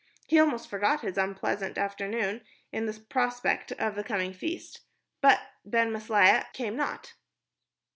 He almost forgot his unpleasant afternoon in the prospect of the coming feast, but Ben Maslia came not.